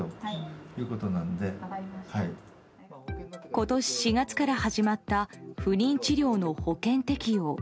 今年４月から始まった不妊治療の保険適用。